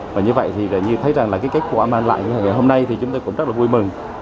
và như vậy thì như thấy rằng là cái kết quả mang lại như thế này hôm nay thì chúng tôi cũng rất là vui mừng